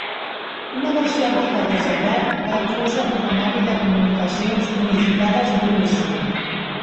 Una versió antiga d'ejabberd va inclosa al programari de comunicacions unificades d'Unison.